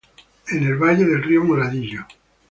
En el valle del río Moradillo.